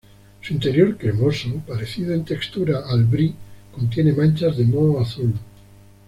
Su interior cremoso, parecido en textura al Brie, contiene manchas de moho azul.